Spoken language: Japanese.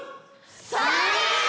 それ！